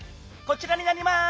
こちらになります！